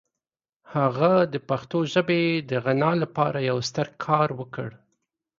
هغه د پښتو ژبې د غنا لپاره یو ستر کار وکړ.